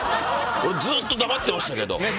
ずっと、黙ってましたけど。